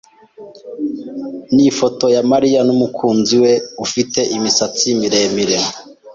Ni ifoto ya Mariya n'umukunzi we ufite imisatsi miremire.